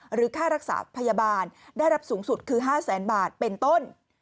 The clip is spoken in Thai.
หรือค่ารักษาพยาบาลได้รับสูงสุดคือ๕แสนบาทเป็นต้น